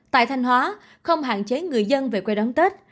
tại thanh hóa không hạn chế người dân về quê đón tết